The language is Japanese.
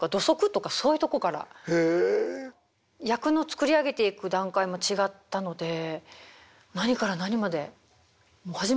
役の作り上げていく段階も違ったので何から何まで初めて尽くしで。